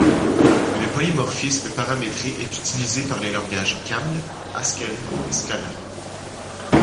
Le polymorphisme paramétré est utilisé par les langages Caml, Haskell et Scala.